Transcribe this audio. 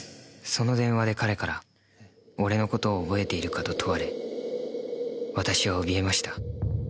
その電話で彼から俺の事を覚えているか？と問われ私は怯えました。